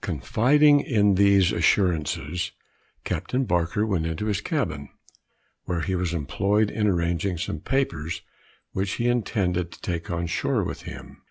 Confiding in these assurances, Captain Barker went into his cabin, where he was employed in arranging some papers which he intended to take on shore with him.